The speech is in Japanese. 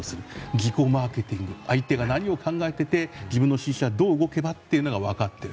自己マーケティング相手が何を考えていて自分の支持者がどう動けばっていうのが分かっている。